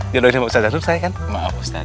jodohin sama ustazah nulul saya kan